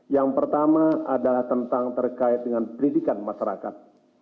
yang pertama adalah tentang terkait dengan pendidikan masyarakat